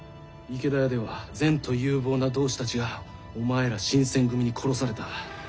池田屋では前途有望な同志たちがお前ら新選組に殺された。